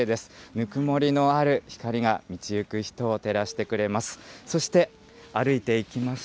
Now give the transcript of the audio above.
ぬくもりのある光が、道行く人を照らしてくれています。